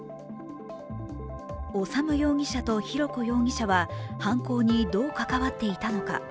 修容疑者と浩子容疑者は犯行にどう関わっていたのか。